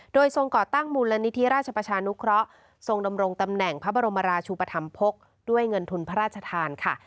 โดยทรงก่อตั้งมูลนิธิราชประชานุเคราะห์ทรงดำรงตำแหน่งพระบรมราชุปธรรมภกด้วยเงินทุนพระราชทานค่ะ